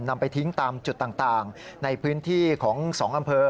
นำไปทิ้งตามจุดต่างในพื้นที่ของ๒อำเภอ